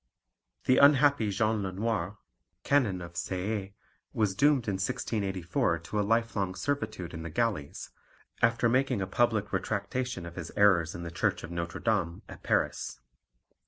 The unhappy Jean Lenoir, Canon of Séez, was doomed in 1684 to a life long servitude in the galleys, after making a public retractation of his errors in the Church of Notre Dame, at Paris.